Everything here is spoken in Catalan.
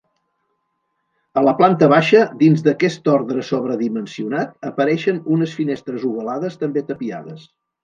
A la planta baixa, dins d'aquest ordre sobredimensionat apareixen unes finestres ovalades també tapiades.